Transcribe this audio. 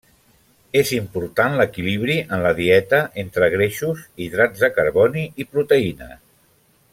És important l'equilibri en la dieta, entre greixos, hidrats de carboni i proteïnes.